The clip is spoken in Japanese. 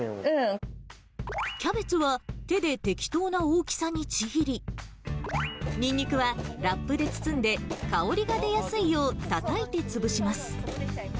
キャベツは、手で適当な大きさにちぎり、ニンニクはラップで包んで、香りが出やすいよう、たたいて潰します。